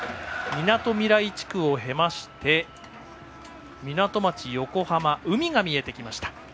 みなとみらい地区を経まして港町・横浜海が見えてきました。